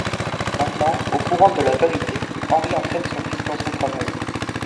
Maintenant au courant de la vérité, Henri entraîne son fils dans son travail.